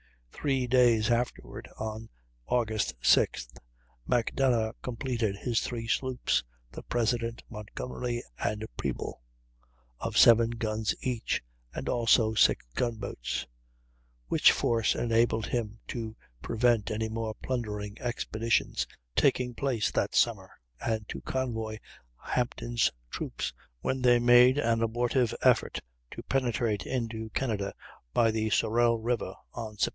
Three days afterward, on Aug. 6th, Macdonough completed his three sloops, the President, Montgomery, and Preble, of 7 guns each, and also six gunboats; which force enabled him to prevent any more plundering expeditions taking place that summer, and to convoy Hampton's troops when they made an abortive effort to penetrate into Canada by the Sorel River on Sept.